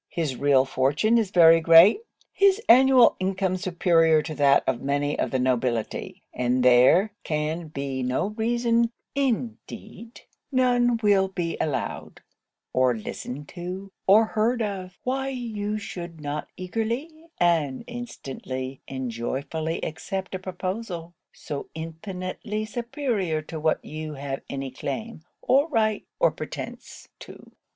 His real fortune is very great; his annual income superior to that of many of the nobility; and there can be no reason, indeed none will be allowed, or listened to, or heard of, why you should not eagerly, and instantly, and joyfully accept a proposal so infinitely superior to what you have any claim, or right, or pretence to.'